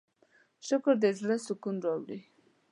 شکر د زړۀ سکون راوړي.